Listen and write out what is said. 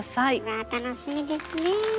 わあ楽しみですね。